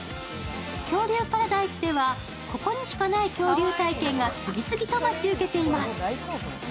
恐竜パラダイスでは、ここにしかない恐竜体験が次々と待ち受けています。